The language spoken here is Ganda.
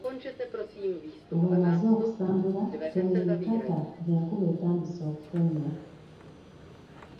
Ng'omaze okusambula tema ebikata ng'enkuba etandise okutonnya.